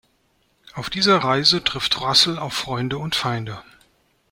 Auf dieser Reise trifft Russel auf Freunde und Feinde.